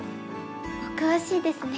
お詳しいですね。